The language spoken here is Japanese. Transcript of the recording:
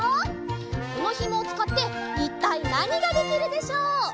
このひもをつかっていったいなにができるでしょう？